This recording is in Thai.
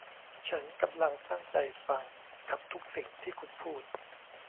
ฉันกำลังตั้งใจฟังกับทุกสิ่งที่คุณพูด